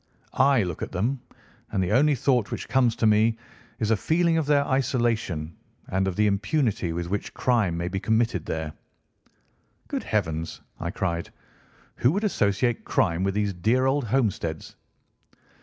I look at them, and the only thought which comes to me is a feeling of their isolation and of the impunity with which crime may be committed there." "Good heavens!" I cried. "Who would associate crime with these dear old homesteads?"